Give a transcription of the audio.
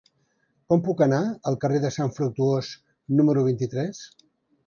Com puc anar al carrer de Sant Fructuós número vint-i-tres?